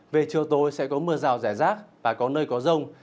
về chiều tối sẽ có mưa rào rẻ rác và có nơi có rông